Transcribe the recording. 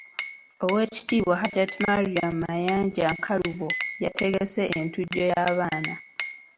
Oweekitiibwa Hajat Mariam Mayanja Nkalubo yategese entujjo y’abaana.